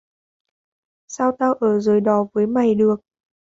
Sao tao ở dưới đó với mày được